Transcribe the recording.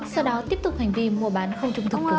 sau đó tiếp tục hành vi mua bán không trung thực của mình